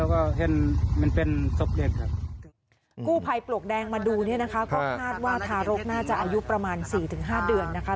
กูไพปลกแดงมาดูเนี้ยนะคะก็คาดว่าทารกน่าจะอายุประมาณสี่ถึงห้าเดือนนะคะ